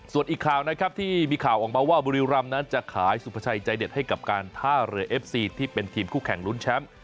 ส่วนอีกข่าวนะครับที่มีข่าวออกมาว่าบุรีรำนั้นจะขายสุภาชัยใจเด็ดให้กับการท่าเรือเอฟซีที่เป็นทีมคู่แข่งลุ้นแชมป์